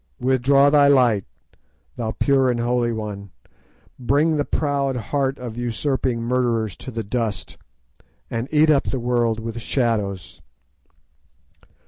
withdraw thy light, thou pure and holy One; bring the proud heart of usurping murderers to the dust, and eat up the world with shadows."